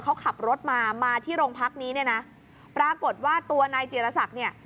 เขาขับรถมามาที่โรงพักนี้เนี่ยนะปรากฏว่าตัวนายจีรศักดิ์เนี่ย